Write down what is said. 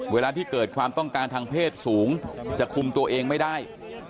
เวลาที่เกิดความต้องการทางเพศสูงจะคุมตัวเองไม่ได้